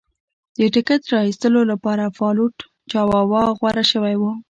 د ټکټ را ایستلو لپاره فالوټ چاواوا غوره شوی و.